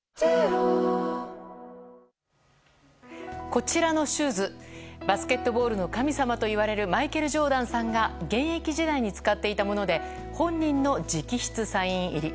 こちらのシューズバスケットボールの神様といわれるマイケル・ジョーダンさんが現役時代に使っていたもので本人の直筆サイン入り。